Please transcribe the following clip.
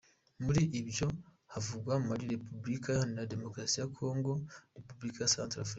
Muri ibyo havugwa Mali, repubulika Iharanira Demokarasi ya Congo, Repubulika ya Centrafrika,….